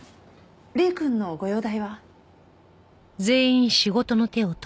礼くんのご容体は？